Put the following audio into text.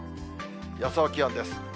予想気温です。